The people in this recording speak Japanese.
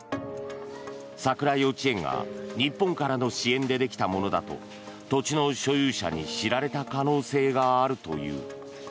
ＳＡＫＵＲＡ幼稚園が日本からの支援でできたものだと土地の所有者に知られた可能性があるという。